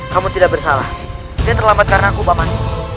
kamu tidak bersalah dia terlambat karena aku paman